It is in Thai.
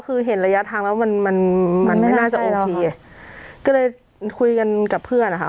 คือเห็นระยะทางแล้วมันมันมันไม่น่าจะไม่ได้ใช่แล้วค่ะก็เลยคุยกันกับเพื่อนอ่ะค่ะ